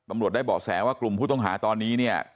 อำรวจได้บอกแสว่ากลุ่มผู้ต้องหาตอนนี้เนี่ย